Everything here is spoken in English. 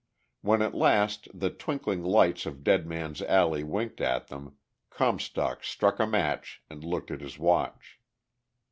When at last the twinkling lights of Dead Man's Alley winked at them Comstock struck a match and looked at his watch.